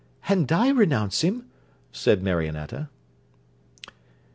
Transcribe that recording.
'And I renounce him,' said Marionetta.